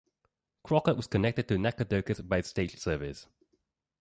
Crockett was connected to Nacogdoches by stage service.